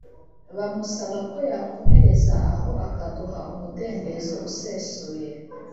bamusaba ko yakomereza aho akaduha umudendezo usesuye